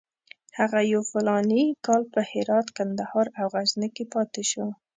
هغه یو فلاني کال په هرات، کندهار او غزني کې پاتې شو.